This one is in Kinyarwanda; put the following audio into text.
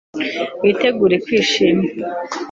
Witegure kwishima